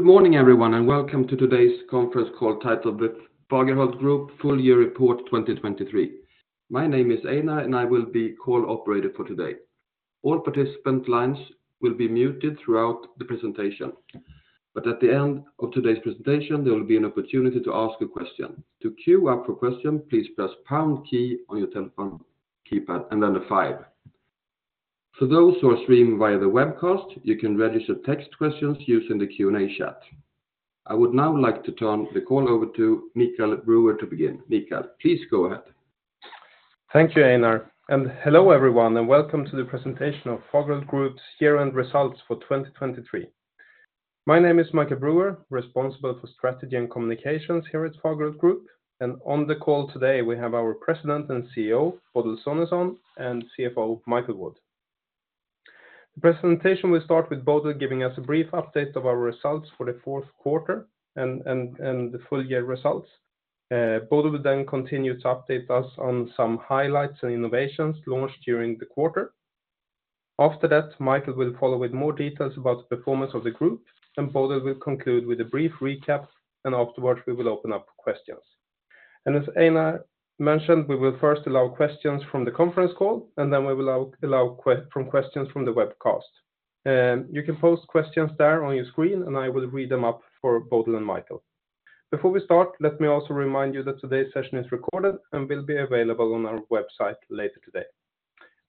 Good morning everyone, and welcome to today's conference call titled "The Fagerhult Group Full Year Report 2023." My name is Einar, and I will be call operator for today. All participant lines will be muted throughout the presentation, but at the end of today's presentation there will be an opportunity to ask a question. To queue up for questions, please press the pound key on your telephone keypad and then the five. For those who are streaming via the webcast, you can register text questions using the Q&A chat. I would now like to turn the call over to Michael Brüer to begin. Michael, please go ahead. Thank you, Einar. Hello everyone, and welcome to the presentation of Fagerhult Group's Year-End Results for 2023. My name is Michael Brüer, responsible for strategy and communications here at Fagerhult Group, and on the call today we have our President and CEO, Bodil Sonesson, and CFO, Michael Wood. The presentation will start with Bodil giving us a brief update of our results for the fourth quarter and the full year results. Bodil will then continue to update us on some highlights and innovations launched during the quarter. After that, Michael will follow with more details about the performance of the group, and Bodil will conclude with a brief recap, and afterwards we will open up questions. As Einar mentioned, we will first allow questions from the conference call, and then we will allow questions from the webcast. You can post questions there on your screen, and I will read them up for Bodil and Michael. Before we start, let me also remind you that today's session is recorded and will be available on our website later today.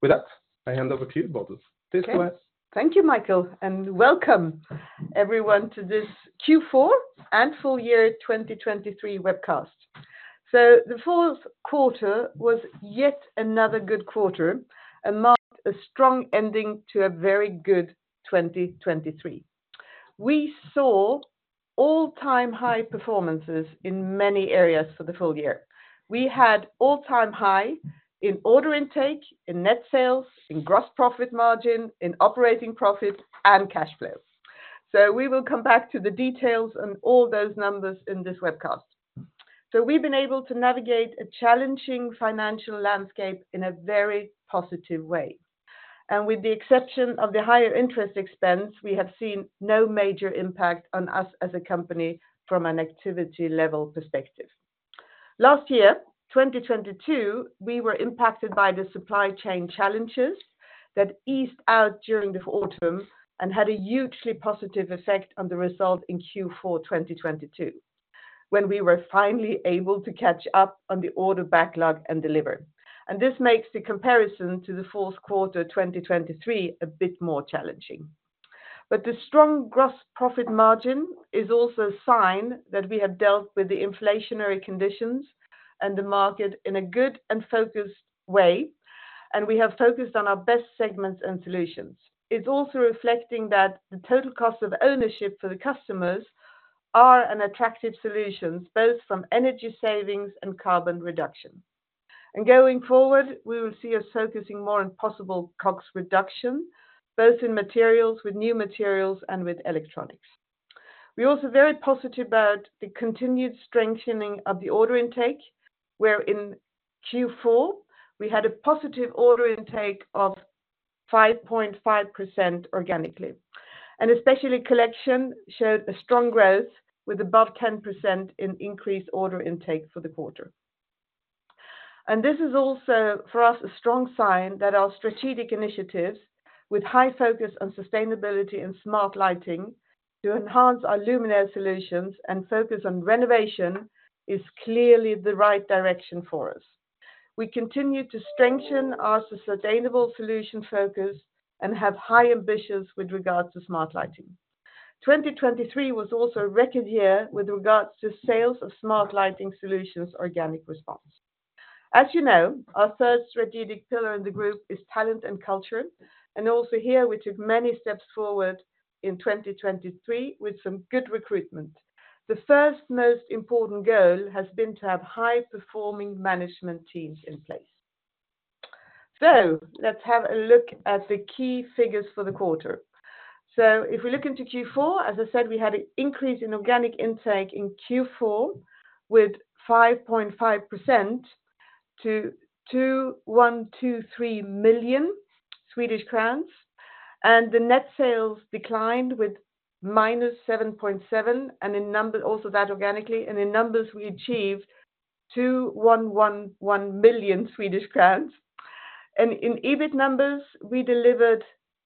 With that, I hand over to you, Bodil. Please go ahead. Thank you, Michael, and welcome everyone to this Q4 and full year 2023 webcast. The fourth quarter was yet another good quarter and marked a strong ending to a very good 2023. We saw all-time high performances in many areas for the full year. We had all-time high in order intake, in net sales, in gross profit margin, in operating profit, and cash flow. We will come back to the details and all those numbers in this webcast. We've been able to navigate a challenging financial landscape in a very positive way. With the exception of the higher interest expense, we have seen no major impact on us as a company from an activity level perspective. Last year, 2022, we were impacted by the supply chain challenges that eased out during the autumn and had a hugely positive effect on the result in Q4 2022 when we were finally able to catch up on the order backlog and deliver. This makes the comparison to the fourth quarter 2023 a bit more challenging. But the strong gross profit margin is also a sign that we have dealt with the inflationary conditions and the market in a good and focused way, and we have focused on our best segments and solutions. It's also reflecting that the total costs of ownership for the customers are attractive solutions, both from energy savings and carbon reduction. Going forward, we will see us focusing more on possible CO2 reduction, both in materials with new materials and with electronics. We're also very positive about the continued strengthening of the order intake, where in Q4 we had a positive order intake of 5.5% organically, and especially Collection showed a strong growth with above 10% in increased order intake for the quarter. And this is also for us a strong sign that our strategic initiatives with high focus on sustainability and smart lighting to enhance our luminaire solutions and focus on renovation are clearly the right direction for us. We continue to strengthen our sustainable solution focus and have high ambitions with regards to smart lighting. 2023 was also a record year with regards to sales of smart lighting solutions Organic Response. As you know, our third strategic pillar in the group is talent and culture, and also here we took many steps forward in 2023 with some good recruitment. The first most important goal has been to have high-performing management teams in place. So let's have a look at the key figures for the quarter. So if we look into Q4, as I said, we had an increase in organic intake in Q4 with 5.5% to 2,123,000,000 Swedish crowns, and the net sales declined with -7.7%, and in number also that organically, and in numbers we achieved 2,111,000,000 Swedish crowns. In EBIT numbers, we delivered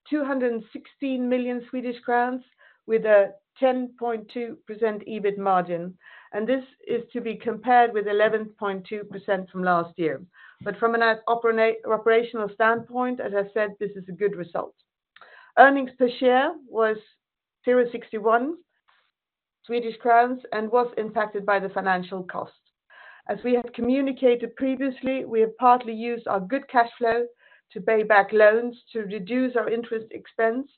216 million Swedish crowns with a 10.2% EBIT margin, and this is to be compared with 11.2% from last year. But from an operational standpoint, as I said, this is a good result. Earnings per share was 0.61 million Swedish crowns and was impacted by the financial cost. As we had communicated previously, we have partly used our good cash flow to pay back loans to reduce our interest expense,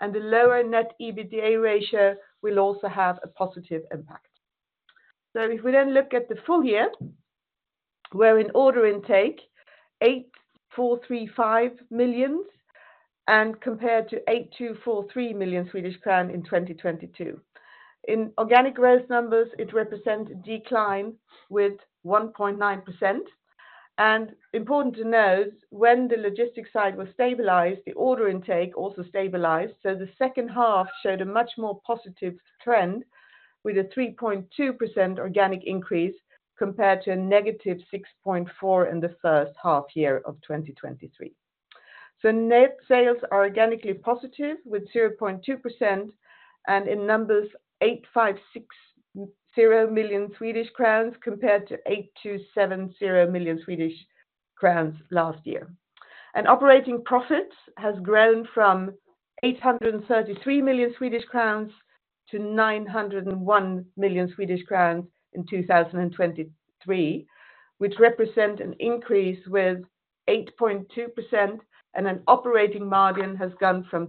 and the lower net EBITDA ratio will also have a positive impact. So if we then look at the full year, we're in order intake 8,435,000,000 compared to 8,243,000,000 Swedish crown in 2022. In organic growth numbers, it represents a decline with 1.9%. And important to note, when the logistics side was stabilized, the order intake also stabilized, so the second half showed a much more positive trend with a 3.2% organic increase compared to a -6.4% in the first half year of 2023. So net sales are organically positive with 0.2% and in numbers 8,560 million Swedish crowns compared to 8,270,000,000 Swedish crowns last year. Operating profits have grown from 833 million-901 million Swedish crowns in 2023, which represent an increase with 8.2%, and an operating margin has gone from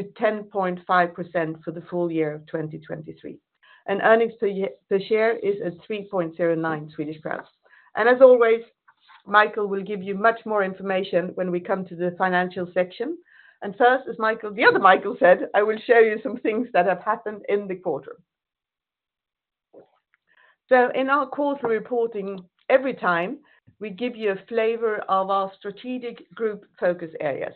10.1%-10.5% for the full year of 2023. Earnings per share is at 3.09 million Swedish crowns. As always, Michael will give you much more information when we come to the financial section. First, as Michael the other Michael said, I will show you some things that have happened in the quarter. In our quarterly reporting, every time we give you a flavor of our strategic group focus areas.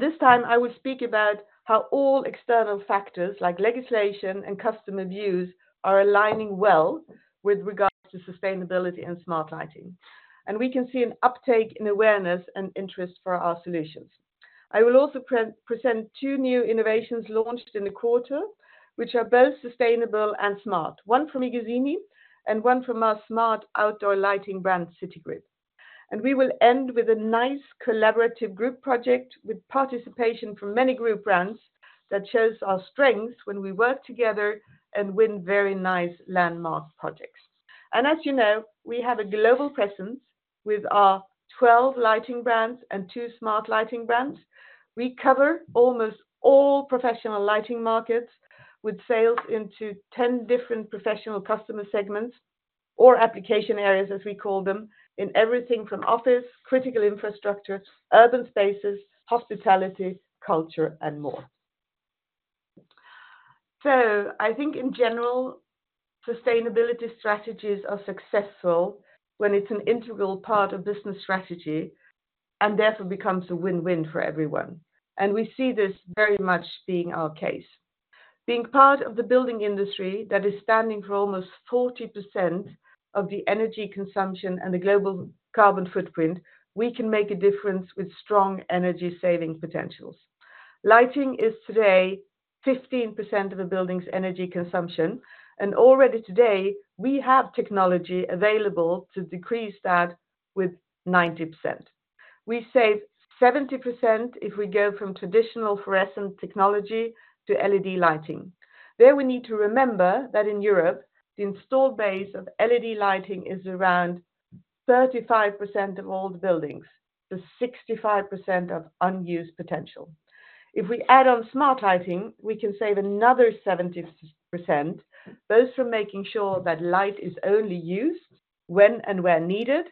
This time I will speak about how all external factors like legislation and customer views are aligning well with regards to sustainability and smart lighting, and we can see an uptake in awareness and interest for our solutions. I will also present two new innovations launched in the quarter, which are both sustainable and smart, one from iGuzzini and one from our smart outdoor lighting brand, Citygrid. We will end with a nice collaborative group project with participation from many group brands that shows our strengths when we work together and win very nice landmark projects. As you know, we have a global presence with our 12 lighting brands and two smart lighting brands. We cover almost all professional lighting markets with sales into 10 different professional customer segments or application areas, as we call them, in everything from office, critical Infrastructure, urban spaces, hospitality, culture, and more. I think in general, sustainability strategies are successful when it's an integral part of business strategy and therefore becomes a win-win for everyone. We see this very much being our case. Being part of the building industry that is standing for almost 40% of the energy consumption and the global carbon footprint, we can make a difference with strong energy saving potentials. Lighting is today 15% of a building's energy consumption, and already today we have technology available to decrease that with 90%. We save 70% if we go from traditional fluorescent technology to LED lighting. There we need to remember that in Europe the installed base of LED lighting is around 35% of old buildings, so 65% of unused potential. If we add on smart lighting, we can save another 70%, both from making sure that light is only used when and where needed,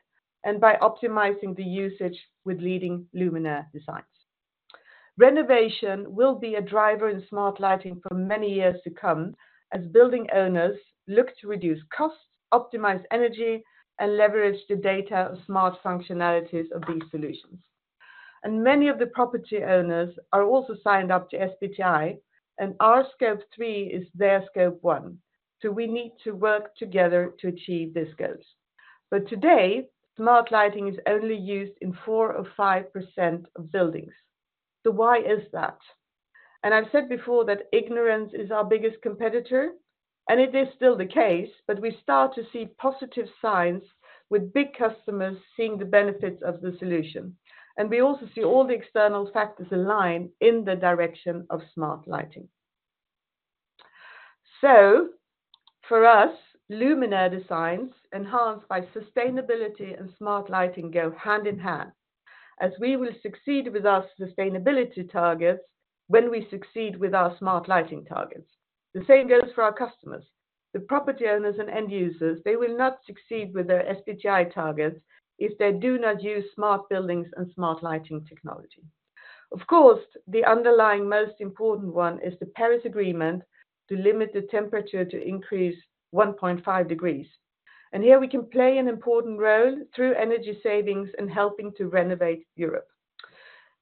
and by optimizing the usage with leading luminaire designs. Renovation will be a driver in smart lighting for many years to come as building owners look to reduce costs, optimize energy, and leverage the data of smart functionalities of these solutions. And many of the property owners are also signed up to SBTi, and our scope three is their scope one, so we need to work together to achieve these goals. But today smart lighting is only used in 4% of 5% of buildings. So why is that? And I've said before that ignorance is our biggest competitor, and it is still the case, but we start to see positive signs with big customers seeing the benefits of the solution, and we also see all the external factors align in the direction of smart lighting. For us, luminaire designs enhanced by sustainability and smart lighting go hand in hand, as we will succeed with our sustainability targets when we succeed with our smart lighting targets. The same goes for our customers. The property owners and end users, they will not succeed with their SBTi targets if they do not use smart buildings and smart lighting technology. Of course, the underlying most important one is the Paris Agreement to limit the temperature to increase 1.5 degrees. Here we can play an important role through energy savings and helping to renovate Europe.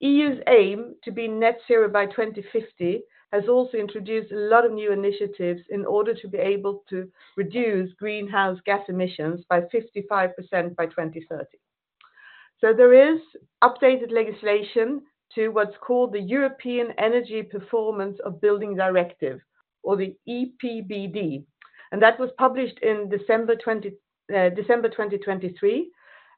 The EU's aim to be net zero by 2050 has also introduced a lot of new initiatives in order to be able to reduce greenhouse gas emissions by 55% by 2030. So there is updated legislation to what's called the European Energy Performance of Building Directive, or the EPBD, and that was published in December 2023,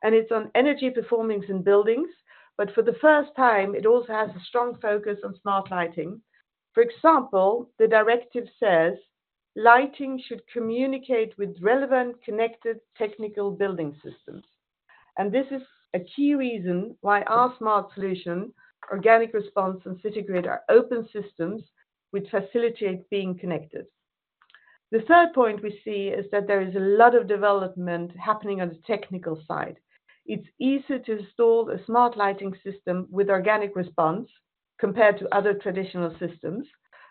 and it's on energy performance in buildings, but for the first time it also has a strong focus on smart lighting. For example, the directive says lighting should communicate with relevant connected technical building systems. And this is a key reason why our smart solution, Organic Response, and Citygrid are open systems which facilitate being connected. The third point we see is that there is a lot of development happening on the technical side. It's easier to install a smart lighting system with Organic Response compared to other traditional systems.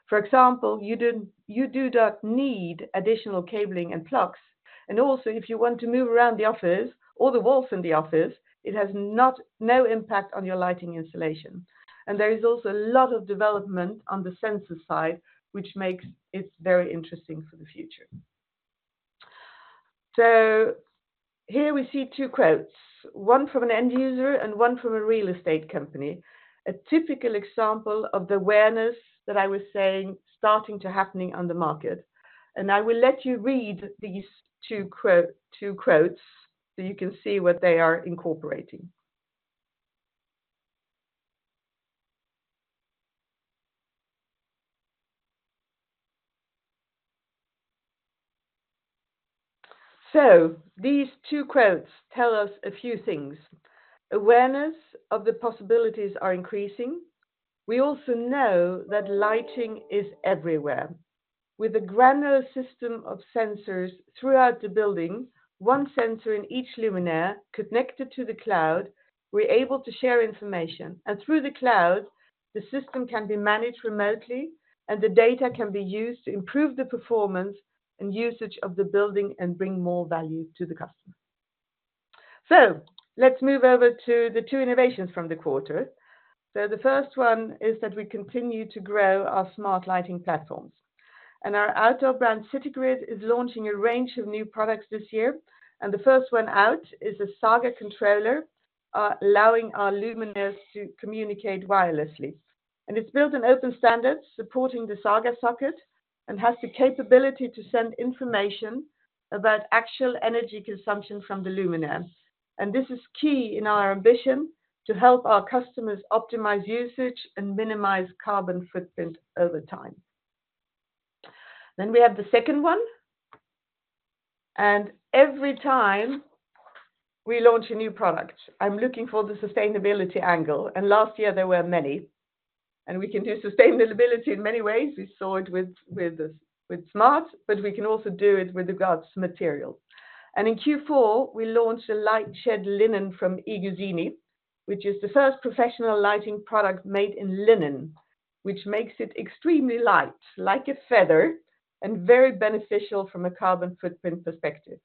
For example, you do not need additional cabling and plugs, and also if you want to move around the office or the walls in the office, it has no impact on your lighting installation. There is also a lot of development on the sensor side, which makes it very interesting for the future. Here we see two quotes, one from an end user and one from a real estate company, a typical example of the awareness that I was saying starting to happen on the market. I will let you read these two quotes so you can see what they are incorporating. These two quotes tell us a few things. Awareness of the possibilities are increasing. We also know that lighting is everywhere. With a granular system of sensors throughout the building, one sensor in each luminaire connected to the cloud, we're able to share information, and through the cloud, the system can be managed remotely, and the data can be used to improve the performance and usage of the building and bring more value to the customer. So let's move over to the two innovations from the quarter. So the first one is that we continue to grow our smart lighting platforms. And our outdoor brand, Citygrid, is launching a range of new products this year, and the first one out is a Saga controller, allowing our luminaires to communicate wirelessly. And it's built on open standards supporting the Zhaga socket and has the capability to send information about actual energy consumption from the luminaire. And this is key in our ambition to help our customers optimize usage and minimize carbon footprint over time. Then we have the second one. And every time we launch a new product, I'm looking for the sustainability angle, and last year there were many. And we can do sustainability in many ways. We saw it with smart, but we can also do it with regards to materials. In Q4, we launched Light Shed Linen from iGuzzini, which is the first professional lighting product made in linen, which makes it extremely light, like a feather, and very beneficial from a carbon footprint perspective.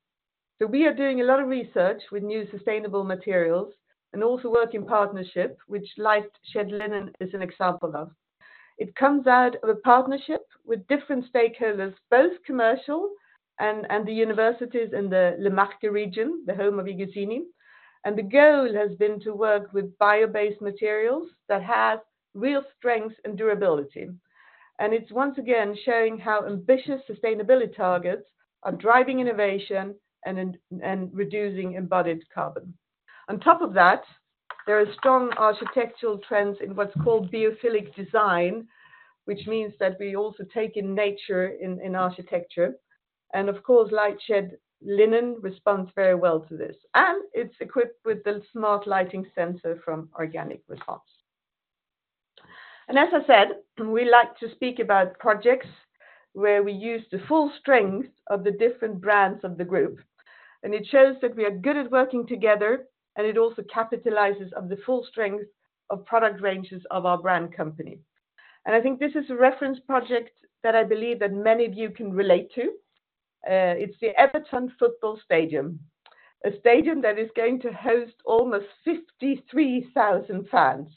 We are doing a lot of research with new sustainable materials and also work in partnership, which Light Shed Linen is an example of. It comes out of a partnership with different stakeholders, both commercial and the universities in the Le Marche region, the home of iGuzzini. The goal has been to work with bio-based materials that have real strengths and durability. It's once again showing how ambitious sustainability targets are driving innovation and reducing embodied carbon. On top of that, there are strong architectural trends in what's called biophilic design, which means that we also take in nature in architecture. Of course, Light Shed Linen responds very well to this, and it's equipped with the smart lighting sensor from Organic Response. As I said, we like to speak about projects where we use the full strength of the different brands of the group, and it shows that we are good at working together, and it also capitalizes on the full strength of product ranges of our brand company. I think this is a reference project that I believe that many of you can relate to. It's the Everton Football Club stadium, a stadium that is going to host almost 53,000 fans.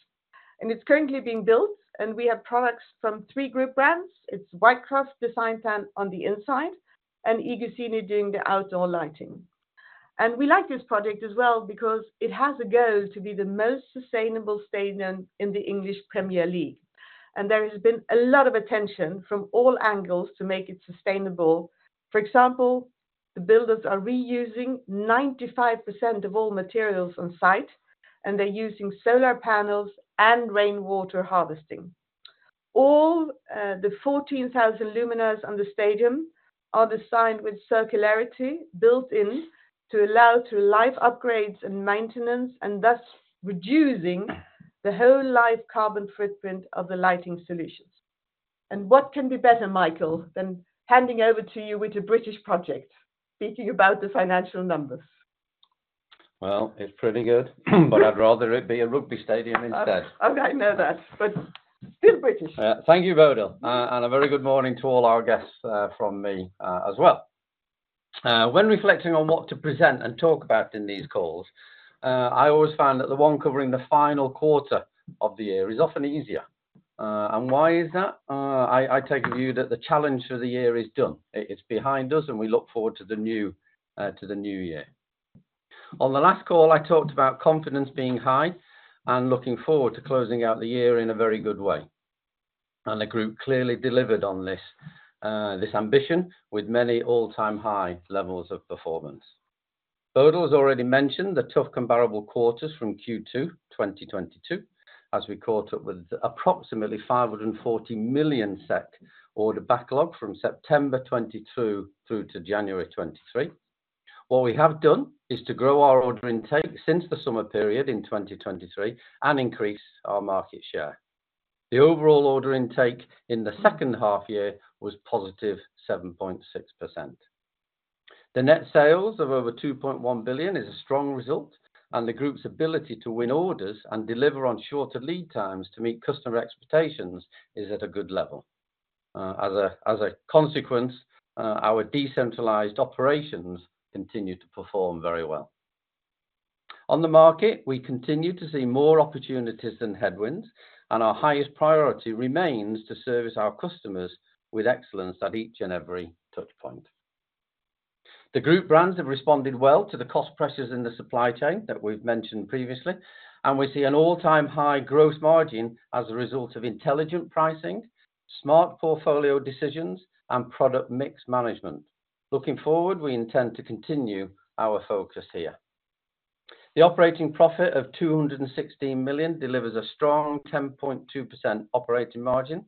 It's currently being built, and we have products from three group brands. It's Whitecroft, Designplan on the inside and iGuzzini doing the outdoor lighting. We like this project as well because it has a goal to be the most sustainable stadium in the English Premier League, and there has been a lot of attention from all angles to make it sustainable. For example, the builders are reusing 95% of all materials on site, and they're using solar panels and rainwater harvesting. All the 14,000 luminaires on the stadium are designed with circularity built in to allow for live upgrades and maintenance, and thus reducing the whole life carbon footprint of the lighting solutions. And what can be better, Michael, than handing over to you with a British project speaking about the financial numbers? Well, it's pretty good, but I'd rather it be a rugby stadium instead. Okay, I know that, but still British. Thank you, Bodil, and a very good morning to all our guests from me as well. When reflecting on what to present and talk about in these calls, I always found that the one covering the final quarter of the year is often easier. And why is that? I take the view that the challenge for the year is done. It's behind us, and we look forward to the new year. On the last call, I talked about confidence being high and looking forward to closing out the year in a very good way. And the group clearly delivered on this ambition with many all-time high levels of performance. Bodil has already mentioned the tough comparable quarters from Q2 2022, as we caught up with approximately 540 million SEK order backlog from September 2022 through to January 2023. What we have done is to grow our order intake since the summer period in 2023 and increase our market share. The overall order intake in the second half year was +7.6%. The net sales of over 2.1 billion is a strong result, and the group's ability to win orders and deliver on shorter lead times to meet customer expectations is at a good level. As a consequence, our decentralized operations continue to perform very well. On the market, we continue to see more opportunities than headwinds, and our highest priority remains to service our customers with excellence at each and every touchpoint. The group brands have responded well to the cost pressures in the supply chain that we've mentioned previously, and we see an all-time high gross margin as a result of intelligent pricing, smart portfolio decisions, and product mix management. Looking forward, we intend to continue our focus here. The operating profit of 216 million delivers a strong 10.2% operating margin.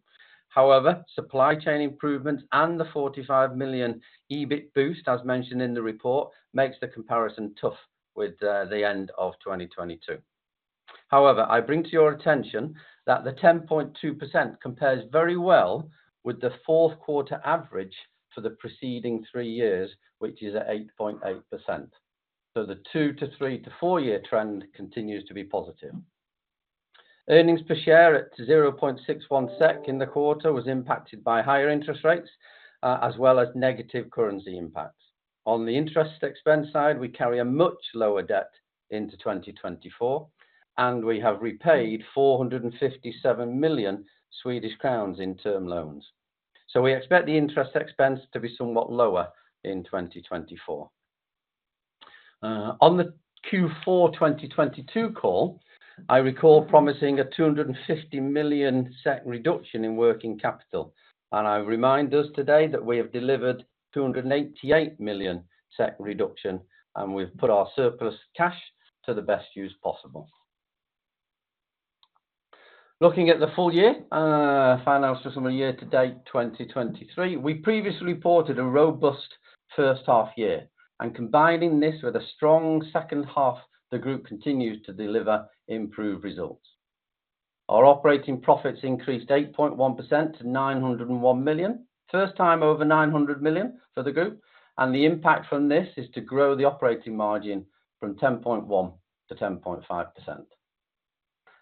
However, supply chain improvements and the 45 million EBIT boost, as mentioned in the report, makes the comparison tough with the end of 2022. However, I bring to your attention that the 10.2% compares very well with the fourth quarter average for the preceding three years, which is at 8.8%. So the two to three to four-year trend continues to be positive. Earnings per share at 0.61 SEK in the quarter was impacted by higher interest rates as well as negative currency impacts. On the interest expense side, we carry a much lower debt into 2024, and we have repaid 457 million Swedish crowns in term loans. So we expect the interest expense to be somewhat lower in 2024. On the Q4 2022 call, I recall promising a 250 million SEK reduction in working capital, and I remind us today that we have delivered a 288 million SEK reduction, and we've put our surplus cash to the best use possible. Looking at the full-year financial summary year-to-date 2023, we previously reported a robust first half year, and combining this with a strong second half, the group continues to deliver improved results. Our operating profits increased 8.1% to 901 million, first time over 900 million for the group, and the impact from this is to grow the operating margin from 10.1%-10.5%.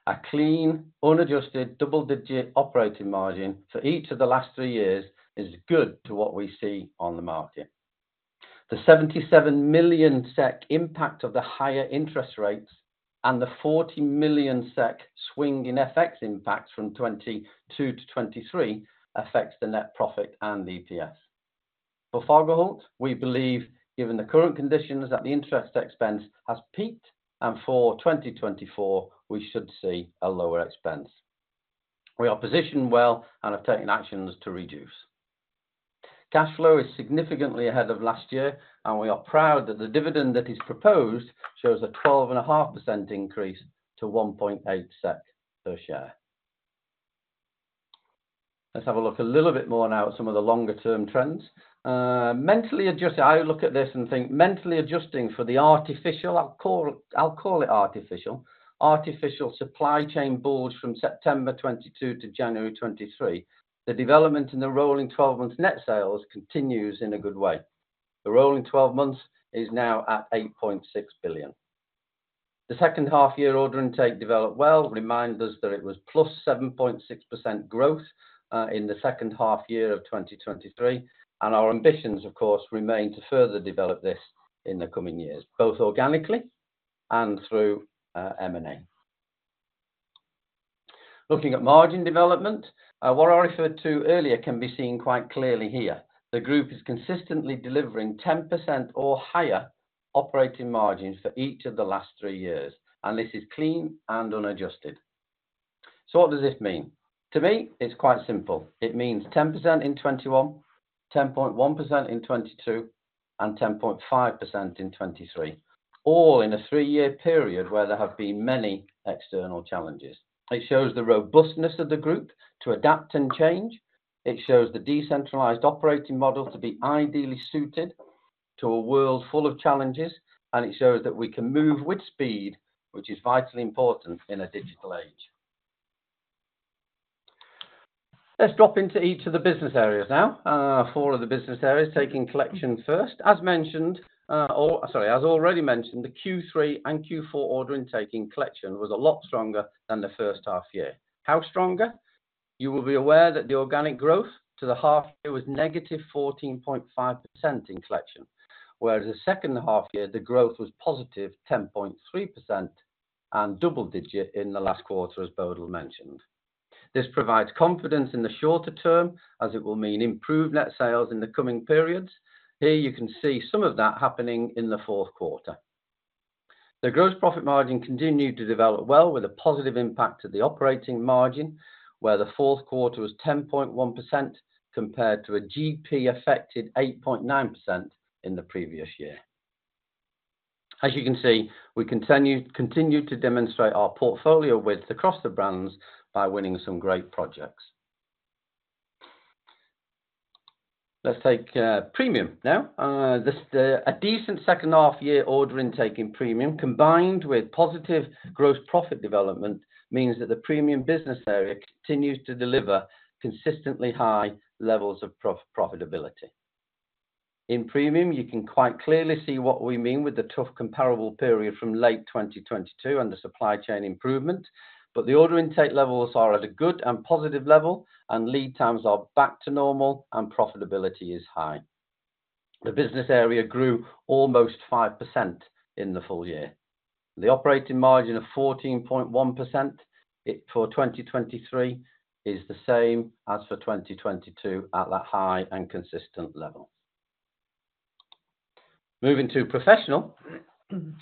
A clean, unadjusted double-digit operating margin for each of the last three years is good to what we see on the market. The 77 million SEK impact of the higher interest rates and the 40 million SEK swing in FX impacts from 2022 to 2023 affects the net profit and the EPS. For Fagerhult, we believe, given the current conditions, that the interest expense has peaked, and for 2024, we should see a lower expense. We are positioned well and have taken actions to reduce. Cash flow is significantly ahead of last year, and we are proud that the dividend that is proposed shows a 12.5% increase to 1.8 SEK per share. Let's have a look a little bit more now at some of the longer-term trends. Mentally adjusted, I look at this and think mentally adjusting for the artificial, I'll call it artificial, artificial supply chain bulls from September 2022 to January 2023, the development in the rolling 12-month net sales continues in a good way. The rolling 12 months is now at 8.6 billion. The second half-year order intake developed well, reminds us that it was +7.6% growth in the second half-year of 2023, and our ambitions, of course, remain to further develop this in the coming years, both organically and through M&A. Looking at margin development, what I referred to earlier can be seen quite clearly here. The group is consistently delivering 10% or higher operating margins for each of the last three years, and this is clean and unadjusted. So what does this mean? To me, it's quite simple. It means 10% in 2021, 10.1% in 2022, and 10.5% in 2023, all in a three-year period where there have been many external challenges. It shows the robustness of the group to adapt and change. It shows the decentralized operating model to be ideally suited to a world full of challenges, and it shows that we can move with speed, which is vitally important in a digital age. Let's drop into each of the business areas now, four of the business areas taking Collection first. As mentioned, or sorry, as already mentioned, the Q3 and Q4 order intake in Collection was a lot stronger than the first half-year. How stronger? You will be aware that the organic growth to the half-year was negative 14.5% in Collection, whereas the second half-year, the growth was positive 10.3% and double-digit in the last quarter, as Bodil mentioned. This provides confidence in the shorter term, as it will mean improved net sales in the coming periods. Here, you can see some of that happening in the fourth quarter. The gross profit margin continued to develop well with a positive impact to the operating margin, where the fourth quarter was 10.1% compared to a GP-affected 8.9% in the previous year. As you can see, we continued to demonstrate our portfolio width across the brands by winning some great projects. Let's take Premium now. A decent second half-year order intake in Premium, combined with positive gross profit development, means that the Premium business area continues to deliver consistently high levels of profitability. In Premium, you can quite clearly see what we mean with the tough comparable period from late 2022 and the supply chain improvement, but the order intake levels are at a good and positive level, and lead times are back to normal, and profitability is high. The business area grew almost 5% in the full year. The operating margin of 14.1% for 2023 is the same as for 2022 at that high and consistent level. Moving to Professional,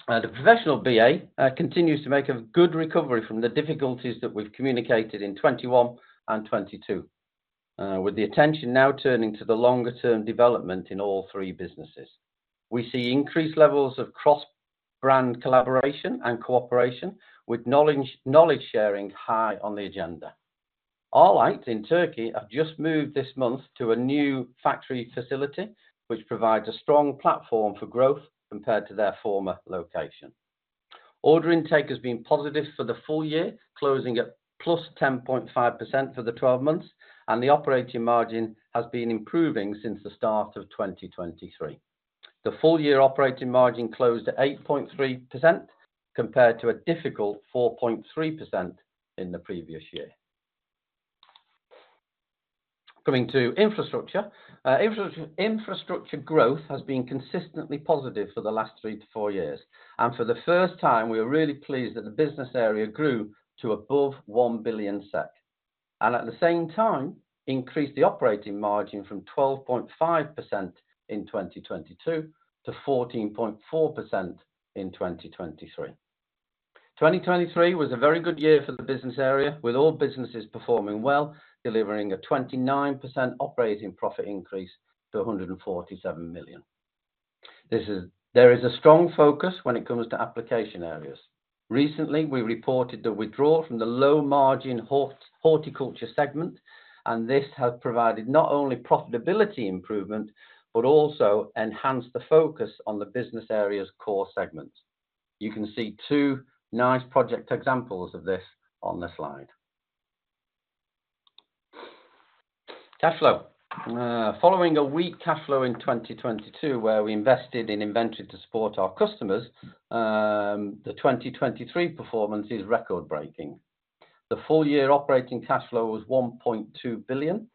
the Professional BA continues to make a good recovery from the difficulties that we've communicated in 2021 and 2022, with the attention now turning to the longer-term development in all three businesses. We see increased levels of cross-brand collaboration and cooperation, with knowledge sharing high on the agenda. Arlight in Turkey have just moved this month to a new factory facility, which provides a strong platform for growth compared to their former location. Order intake has been positive for the full year, closing at +10.5% for the 12 months, and the operating margin has been improving since the start of 2023. The full-year operating margin closed at 8.3% compared to a difficult 4.3% in the previous year. Coming to Infrastructure, Infrastructure growth has been consistently positive for the last three to four years, and for the first time, we are really pleased that the business area grew to above 1 billion SEK, and at the same time, increased the operating margin from 12.5% in 2022 to 14.4% in 2023. 2023 was a very good year for the business area, with all businesses performing well, delivering a 29% operating profit increase to 147 million. There is a strong focus when it comes to application areas. Recently, we reported the withdrawal from the low-margin horticulture segment, and this has provided not only profitability improvement but also enhanced the focus on the business area's core segments. You can see two nice project examples of this on the slide. Cash flow. Following a weak cash flow in 2022, where we invested in inventory to support our customers, the 2023 performance is record-breaking. The full-year operating cash flow was 1.2 billion, and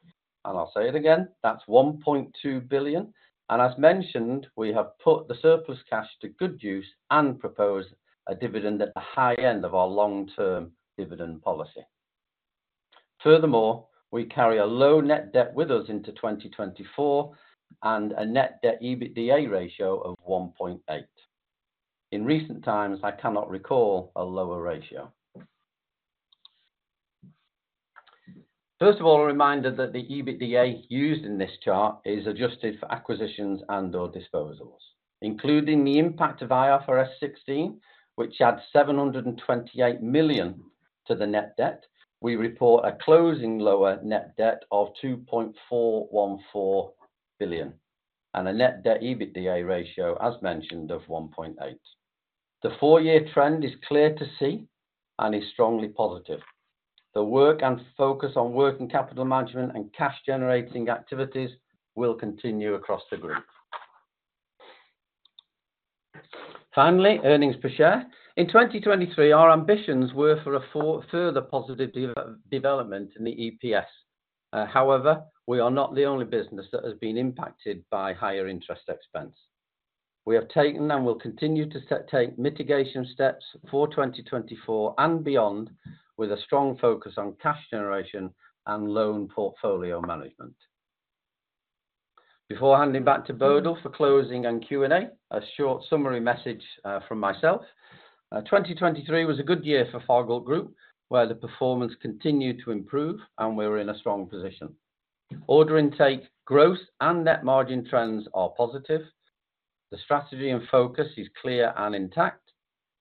I'll say it again, that's 1.2 billion. And as mentioned, we have put the surplus cash to good use and proposed a dividend at the high end of our long-term dividend policy. Furthermore, we carry a low net debt with us into 2024 and a net debt EBITDA ratio of 1.8. In recent times, I cannot recall a lower ratio. First of all, a reminder that the EBITDA used in this chart is adjusted for acquisitions and/or disposals. Including the impact of IFRS 16, which adds 728 million to the net debt, we report a closing lower net debt of 2.414 billion and a net debt EBITDA ratio, as mentioned, of 1.8. The four-year trend is clear to see and is strongly positive. The work and focus on working capital management and cash-generating activities will continue across the group. Finally, earnings per share. In 2023, our ambitions were for further positive development in the EPS. However, we are not the only business that has been impacted by higher interest expense. We have taken and will continue to take mitigation steps for 2024 and beyond with a strong focus on cash generation and loan portfolio management. Before handing back to Bodil for closing and Q&A, a short summary message from myself. 2023 was a good year for Fagerhult Group, where the performance continued to improve, and we were in a strong position. Order intake growth and net margin trends are positive. The strategy and focus are clear and intact,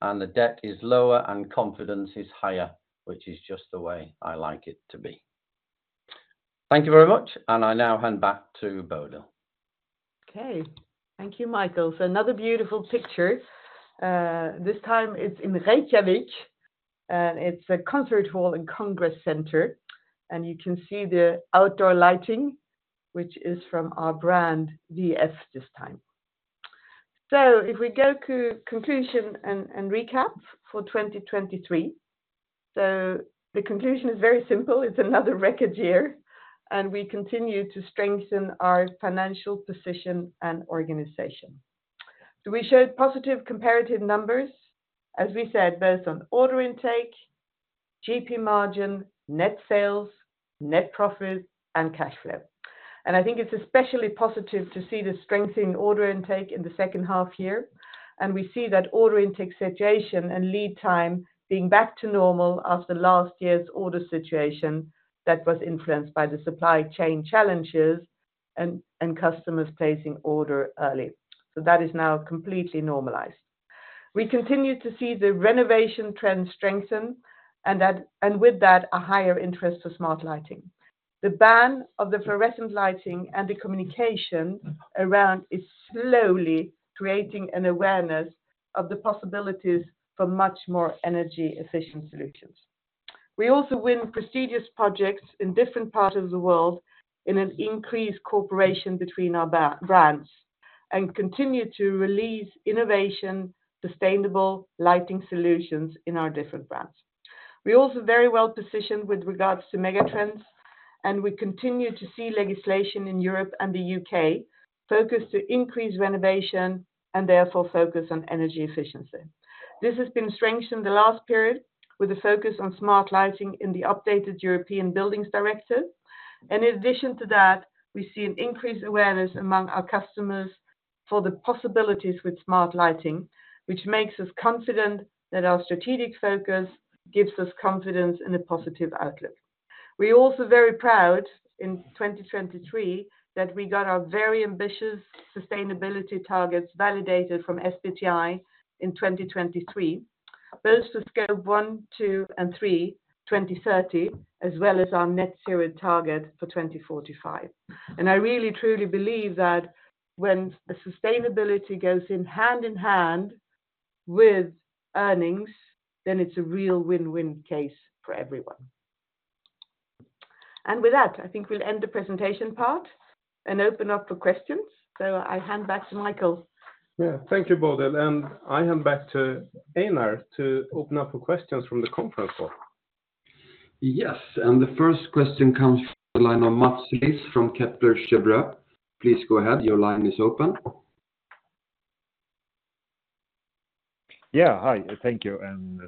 and the debt is lower and confidence is higher, which is just the way I like it to be. Thank you very much, and I now hand back to Bodil. Okay, thank you, Michael. So another beautiful picture. This time it's in Reykjavík, and it's a concert hall in Conference Center, and you can see the outdoor lighting, which is from our brand WE-EF this time. So if we go to conclusion and recap for 2023, so the conclusion is very simple. It's another record year, and we continue to strengthen our financial position and organization. So we showed positive comparative numbers, as we said, both on order intake, GP margin, net sales, net profit, and cash flow. I think it's especially positive to see the strength in order intake in the second half-year, and we see that order intake situation and lead time being back to normal after last year's order situation that was influenced by the supply chain challenges and customers placing orders early. That is now completely normalized. We continue to see the renovation trend strengthen and with that a higher interest for smart lighting. The ban of the fluorescent lighting and the communication around it is slowly creating an awareness of the possibilities for much more energy-efficient solutions. We also win prestigious projects in different parts of the world in an increased cooperation between our brands and continue to release innovation, sustainable lighting solutions in our different brands. We are also very well positioned with regards to megatrends, and we continue to see legislation in Europe and the U.K. focused to increase renovation and therefore focus on energy efficiency. This has been strengthened in the last period with a focus on smart lighting in the updated EPBD. And in addition to that, we see an increased awareness among our customers for the possibilities with smart lighting, which makes us confident that our strategic focus gives us confidence in a positive outlook. We are also very proud in 2023 that we got our very ambitious sustainability targets validated from SBTi in 2023, both for Scope 1, 2, and 3, 2030, as well as our net zero target for 2045. And I really, truly believe that when sustainability goes hand in hand with earnings, then it's a real win-win case for everyone. And with that, I think we'll end the presentation part and open up for questions. So I hand back to Michael. Yeah, thank you, Bodil. And I hand back to Einar to open up for questions from the conference hall. Yes, and the first question comes from the line of Mats Liss from Kepler Cheuvreux. Please go ahead, your line is open. Yeah, hi, thank you. And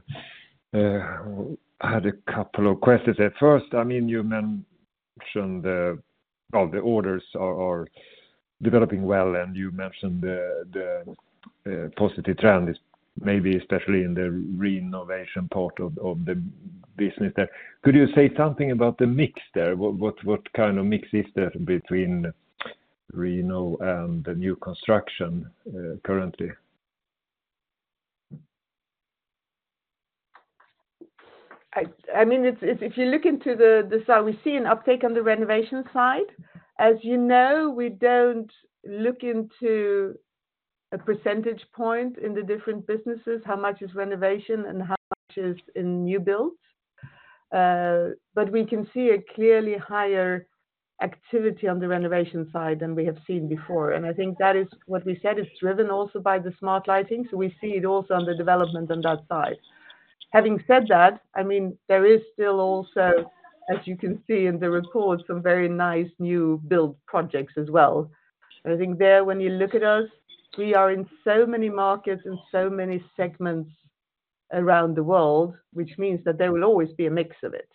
I had a couple of questions. At first, I mean, you mentioned the orders are developing well, and you mentioned the positive trend is maybe especially in the renovation part of the business there. Could you say something about the mix there? What kind of mix is there between Reno and the new construction currently? I mean, if you look into the side we see an uptake on the renovation side. As you know, we don't look into a percentage point in the different businesses, how much is renovation and how much is in new builds. But we can see a clearly higher activity on the renovation side than we have seen before. And I think that is what we said is driven also by the smart lighting. So we see it also on the development on that side. Having said that, I mean, there is still also, as you can see in the report, some very nice new build projects as well. And I think there, when you look at us, we are in so many markets and so many segments around the world, which means that there will always be a mix of it.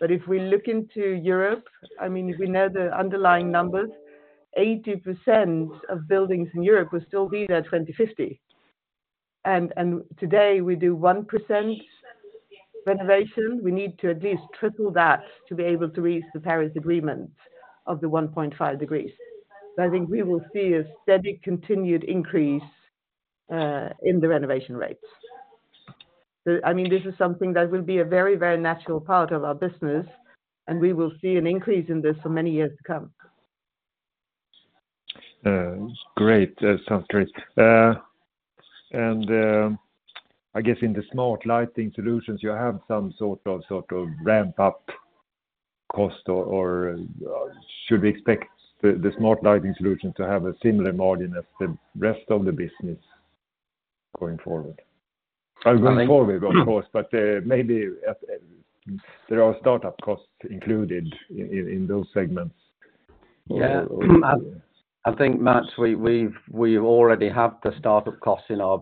But if we look into Europe, I mean, if we know the underlying numbers, 80% of buildings in Europe will still be there 2050. Today we do 1% renovation. We need to at least triple that to be able to reach the Paris Agreement of the 1.5 degrees. I think we will see a steady continued increase in the renovation rates. I mean, this is something that will be a very, very natural part of our business, and we will see an increase in this for many years to come. Great. Sounds great. I guess in the smart lighting solutions, you have some sort of ramp-up cost, or should we expect the smart lighting solutions to have a similar margin as the rest of the business going forward? Going forward, of course, but maybe there are startup costs included in those segments. Yeah, I think, Mats, we already have the startup costs in our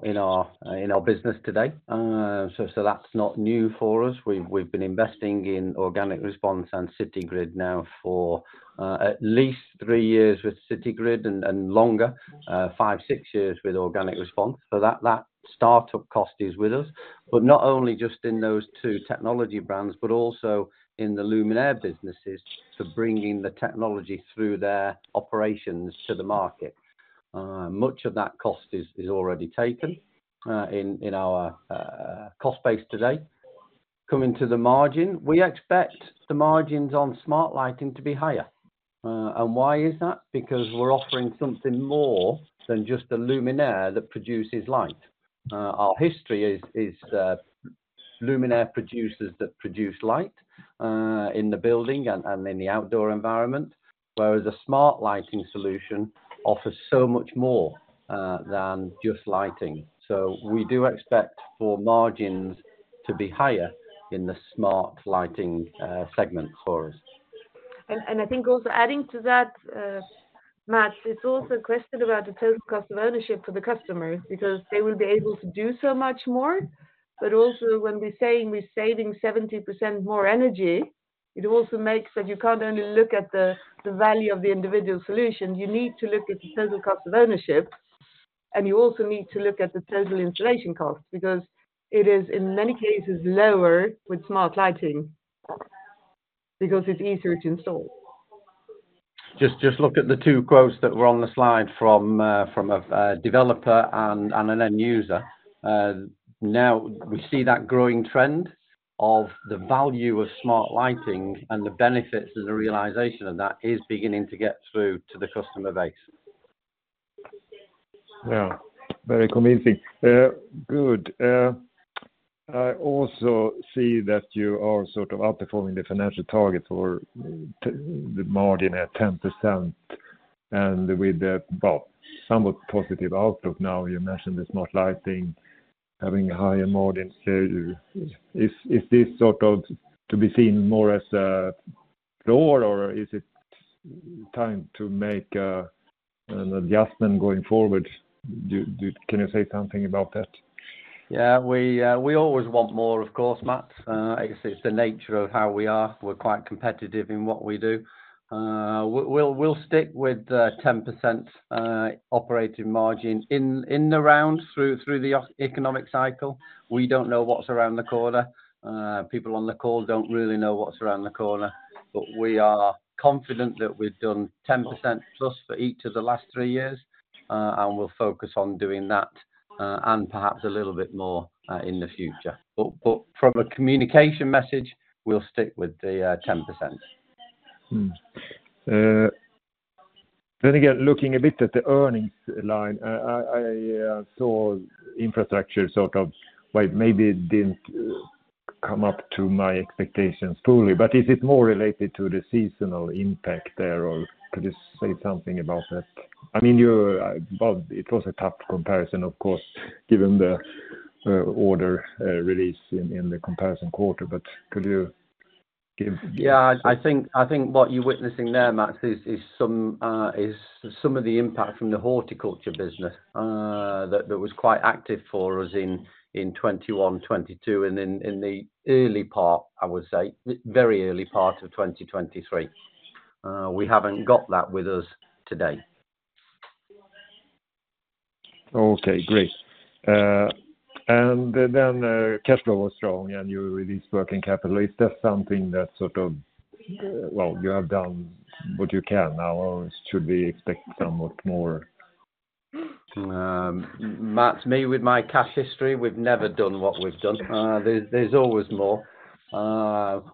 business today, so that's not new for us. We've been investing in Organic Response and Citygrid now for at least three years with Citygrid and longer, five, sixe years with Organic Response. So that startup cost is with us, but not only just in those two technology brands, but also in the luminaire businesses for bringing the technology through their operations to the market. Much of that cost is already taken in our cost base today. Coming to the margin, we expect the margins on smart lighting to be higher. And why is that? Because we're offering something more than just a luminaire that produces light. Our history is luminaire producers that produce light in the building and in the outdoor environment, whereas a smart lighting solution offers so much more than just lighting. So we do expect for margins to be higher in the smart lighting segments for us. I think also adding to that, Mats, it's also a question about the total cost of ownership for the customers because they will be able to do so much more. But also when we're saying we're saving 70% more energy, it also makes that you can't only look at the value of the individual solution. You need to look at the total cost of ownership, and you also need to look at the total installation cost because it is, in many cases, lower with smart lighting because it's easier to install. Just look at the two quotes that were on the slide from a developer and an end user. Now we see that growing trend of the value of smart lighting and the benefits and the realization of that is beginning to get through to the customer base. Yeah, very convincing. Good. I also see that you are sort of outperforming the financial target for the margin at 10% and with a somewhat positive outlook now. You mentioned the smart lighting having a higher margin. Is this sort of to be seen more as a floor, or is it time to make an adjustment going forward? Can you say something about that? Yeah, we always want more, of course, Mats. It's the nature of how we are. We're quite competitive in what we do. We'll stick with 10% operating margin in the round through the economic cycle. We don't know what's around the corner. People on the call don't really know what's around the corner, but we are confident that we've done 10% plus for each of the last three years, and we'll focus on doing that and perhaps a little bit more in the future. But from a communication message, we'll stick with the 10%. Then again, looking a bit at the earnings line, I saw Infrastructure sort of maybe didn't come up to my expectations fully. But is it more related to the seasonal impact there, or could you say something about that? I mean, it was a tough comparison, of course, given the order release in the comparison quarter. But could you give? Yeah, I think what you're witnessing there, Mats, is some of the impact from the horticulture business that was quite active for us in 2021, 2022, and in the early part, I would say, very early part of 2023. We haven't got that with us today. Okay, great. And then cash flow was strong, and you released working capital. Is that something that sort of, well, you have done what you can now, or should we expect somewhat more? Mats, in my cash history, we've never done what we've done. There's always more.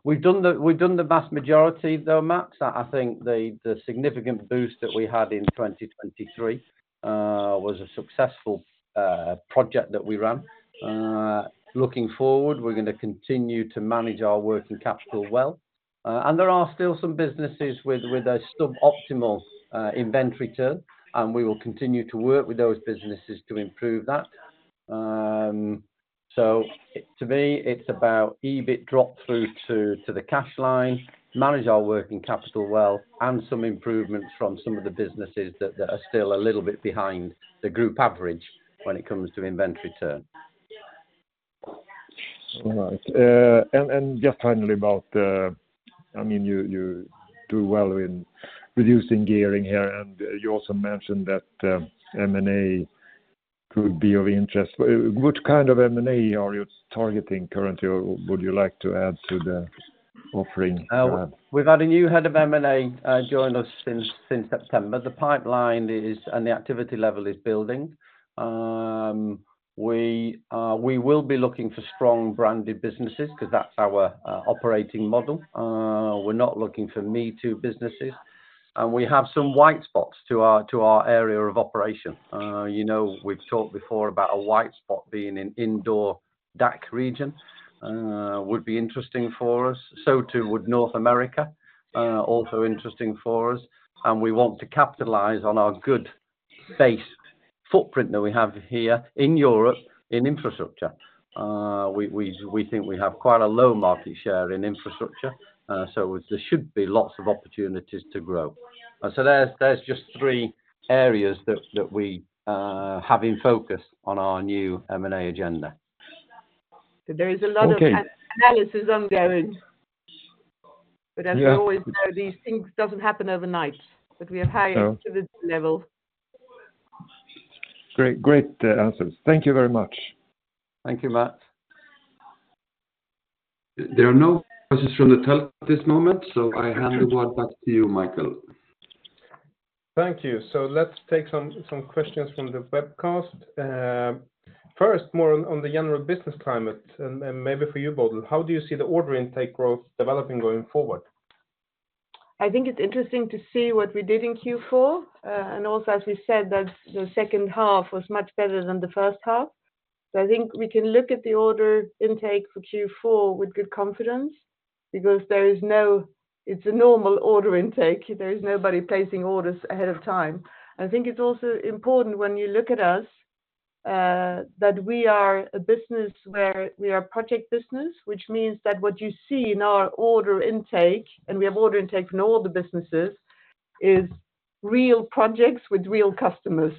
We've done the vast majority, though, Mats. I think the significant boost that we had in 2023 was a successful project that we ran. Looking forward, we're going to continue to manage our working capital well. There are still some businesses with a suboptimal inventory turn, and we will continue to work with those businesses to improve that. So to me, it's about EBIT drop-through to the cash line, manage our working capital well, and some improvements from some of the businesses that are still a little bit behind the group average when it comes to inventory turn. All right. Just finally about, I mean, you do well in reducing gearing here, and you also mentioned that M&A could be of interest. What kind of M&A are you targeting currently, or would you like to add to the offering? We've had a new head of M&A join us since September. The pipeline is, and the activity level is building. We will be looking for strong branded businesses because that's our operating model. We're not looking for me-too businesses. And we have some white spots to our area of operation. We've talked before about a white spot being an indoor DACH region would be interesting for us. So too would North America, also interesting for us. And we want to capitalize on our good base footprint that we have here in Europe in Infrastructure. We think we have quite a low market share in Infrastructure, so there should be lots of opportunities to grow. So there's just three areas that we have in focus on our new M&A agenda. So there is a lot of analysis ongoing. But as we always know, these things don't happen overnight, but we have high activity level. Great, great answers. Thank you very much. Thank you, Mats. There are no questions from the call at this moment, so I hand the word back to you, Michael. Thank you. So let's take some questions from the webcast. First, more on the general business climate. And maybe for you, Bodil, how do you see the order intake growth developing going forward? I think it's interesting to see what we did in Q4. And also, as we said, the second half was much better than the first half. So I think we can look at the order intake for Q4 with good confidence because it's a normal order intake. There's nobody placing orders ahead of time. I think it's also important when you look at us that we are a business where we are a project business, which means that what you see in our order intake - and we have order intake from all the businesses - is real projects with real customers.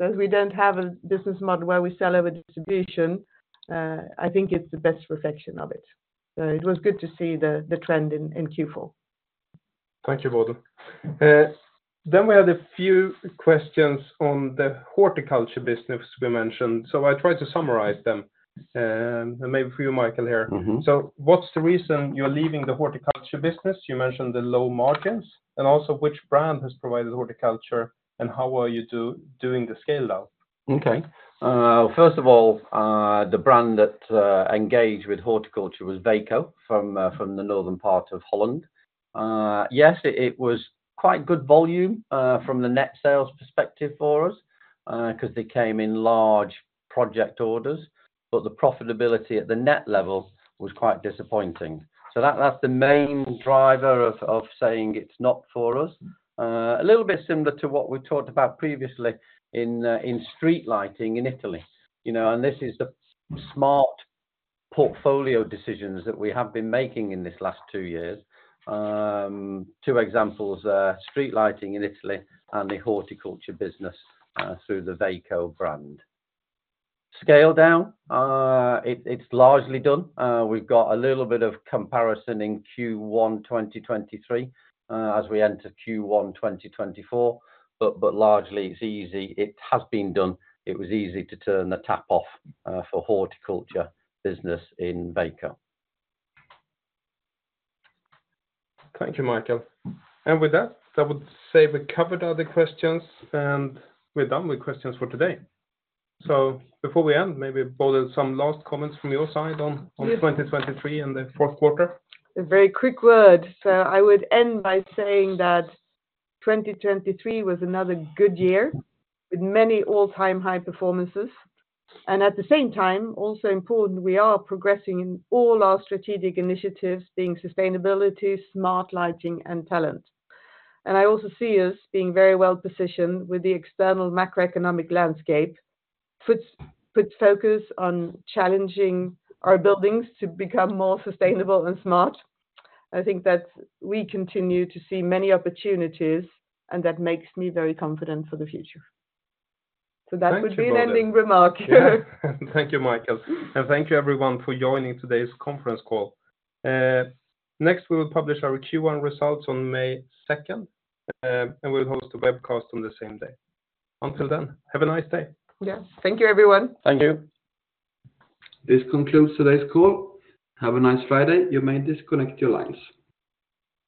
As we don't have a business model where we sell over distribution, I think it's the best reflection of it. It was good to see the trend in Q4. Thank you, Bodil. We had a few questions on the horticulture business we mentioned. I tried to summarize them. Maybe for you, Michael, here. What's the reason you're leaving the horticulture business? You mentioned the low margins. Also, which brand has provided horticulture, and how are you doing the scale-out? Okay. First of all, the brand that engaged with horticulture was Veko from the northern part of Holland. Yes, it was quite good volume from the net sales perspective for us because they came in large project orders, but the profitability at the net level was quite disappointing. So that's the main driver of saying it's not for us. A little bit similar to what we talked about previously in street lighting in Italy. This is the smart portfolio decisions that we have been making in this last two years. Two examples: street lighting in Italy and the horticulture business through the Veko brand. Scale-down, it's largely done. We've got a little bit of comparison in Q1 2023 as we enter Q1 2024, but largely, it's easy. It has been done. It was easy to turn the tap off for horticulture business in Veko. Thank you, Michael. With that, I would say we covered all the questions, and we're done with questions for today. Before we end, maybe Bodil, some last comments from your side on 2023 and the fourth quarter? A very quick word. I would end by saying that 2023 was another good year with many all-time high performances. And at the same time, also important, we are progressing in all our strategic initiatives, being sustainability, smart lighting, and talent. And I also see us being very well positioned with the external macroeconomic landscape, put focus on challenging our buildings to become more sustainable and smart. I think that we continue to see many opportunities, and that makes me very confident for the future. That would be an ending remark. Thank you, Michael. Thank you, everyone, for joining today's conference call. Next, we will publish our Q1 results on May 2nd, and we will host a webcast on the same day. Until then, have a nice day. Yes. Thank you, everyone. Thank you. This concludes today's call. Have a nice Friday. You may disconnect your lines.